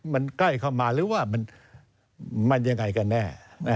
มันใกล้เข้ามาหรือว่ามันยังไงกันแน่